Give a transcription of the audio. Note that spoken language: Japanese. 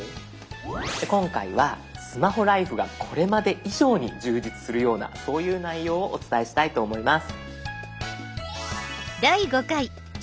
今回はスマホライフがこれまで以上に充実するようなそういう内容をお伝えしたいと思います。